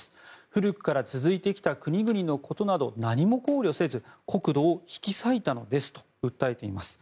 古くから続いてきた国々のことなど何も考慮せず国土を引き裂いたのですと訴えています。